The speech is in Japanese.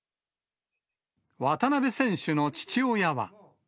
渡辺選手の父親は。